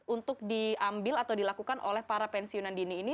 untuk diambil atau dilakukan oleh para pensiunan dini ini